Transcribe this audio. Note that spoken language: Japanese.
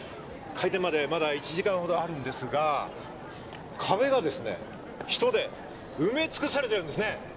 開店までまだ１時間ほどあるんですが壁がですね人で埋めつくされてるんですね。